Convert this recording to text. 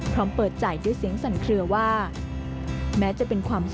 พร้อมเปิดจ่ายด้วยเสียงสั่นเคลือว่า